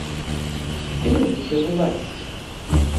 Ці любіць яго бацька?